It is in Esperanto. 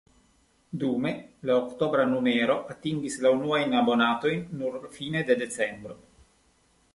Dume, la oktobra numero atingis la unuajn abonantojn nur fine de decembro.